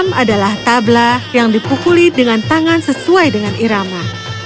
yang adalah tabla yang dipukuli dengan tangan sesuai dengan irama